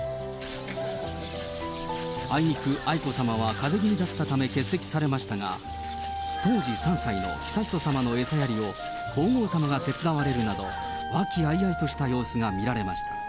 あいにく、愛子さまは、かぜ気味だったため欠席されましたが、当時３歳の悠仁さまの餌やりを皇后さまが手伝われるなど、和気あいあいとした様子が見られました。